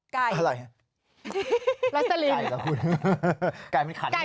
ไก่รัสเตอรินไก่ละคุณไก่เป็นขันใช่ไหม